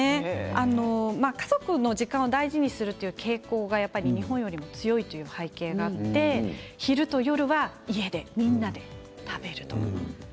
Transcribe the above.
家族の時間を大事にする傾向が日本よりも強いという背景があって昼と夜は家でみんなで食べる。